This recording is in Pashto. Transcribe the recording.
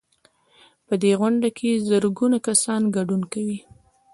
په دې غونډه کې زرګونه کسان ګډون کوي.